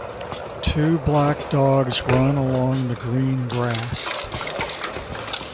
Two black dogs run along the green grass.